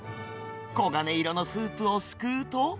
黄金色のスープをすくうと。